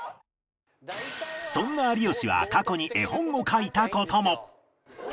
そんな有吉は過去に絵本を描いた事も